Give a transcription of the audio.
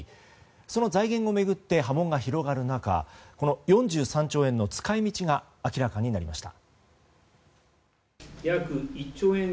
その財源を巡って波紋が広がる中４３兆円の使い道が明らかになりました。